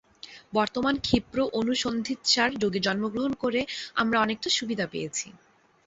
বর্তমান ক্ষিপ্র অনুসন্ধিৎসার যুগে জন্মগ্রহণ করে আমরা অনেকটা সুবিধা পেয়েছি।